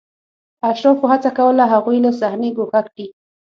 اشرافو هڅه کوله هغوی له صحنې ګوښه کړي.